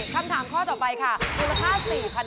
คำถามข้อต่อไปค่ะมูลค่า๔๐๐บาท